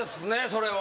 それは。